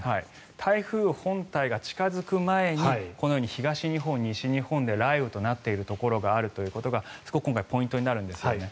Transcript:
台風本体が近付く前にこのように東日本、西日本で雷雨となっているところがあるということが今回ポイントになるんですよね。